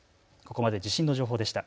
ここまで地震の情報でした。